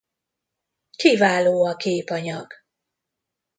Kiváló a képanyag!